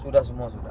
sudah semua sudah